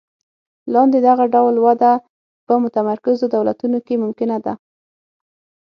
لاندې دغه ډول وده په متمرکزو دولتونو کې ممکنه ده.